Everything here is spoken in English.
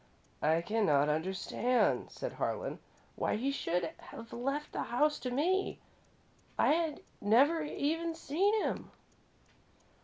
"I cannot understand," said Harlan, "why he should have left the house to me. I had never even seen him."